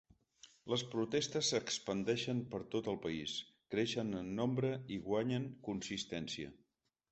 Les protestes s’expandeixen per tot el país, creixen en nombre i guanyen consistència.